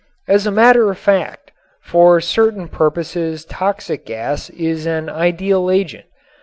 As a matter of fact, for certain purposes toxic gas is an ideal agent.